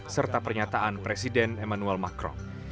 serta pernyataan presiden emmanuel macron